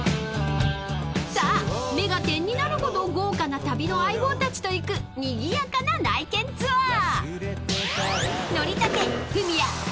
［さあ目が点になるほど豪華な旅の相棒たちと行くにぎやかな内見ツアー］